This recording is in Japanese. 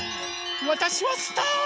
わたしはスター！